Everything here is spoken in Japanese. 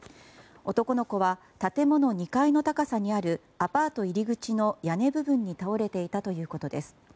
男の子は建物２階の高さにあるアパート入り口の屋根部分に倒れていたということです。